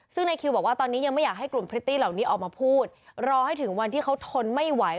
ซึ่งในคิวบอกว่าตอนนี้ยังไม่อยากให้กลุ่มพริตตี้เหล่านี้ออกมาพูดรอให้ถึงวันที่เขาทนไม่ไหว